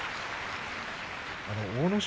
阿武咲。